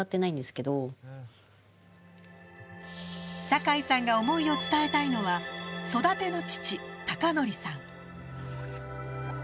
酒井さんが思いを伝えたいのは育ての父・卓典さん。